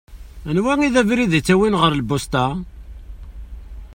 Anwa i d abrid ittawin ɣer lpusṭa?